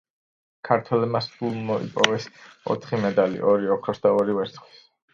ქართველებმა სულ მოიპოვეს ოთხი მედალი: ორი ოქროს და ორი ვერცხლის.